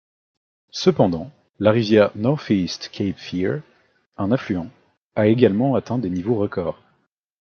Cependant, la rivière Northeast Cape Fear, un affluent, a également atteint des niveaux records.